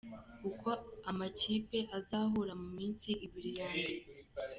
Uko amakipe azahura mu minsi ibiri ya mbere.